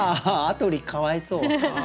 アトリかわいそう。